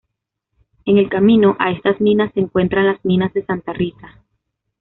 En el camino a estas minas se encuentran las minas de Santa Rita.